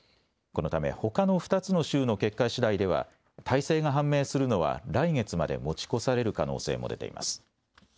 このため、ほかの２つの州の結果しだいでは、大勢が判明するのは、来月まで持ち越される可能性も出ています。